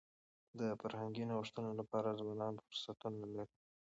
د فرهنګي نوښتونو لپاره ځوانان فرصتونه لري.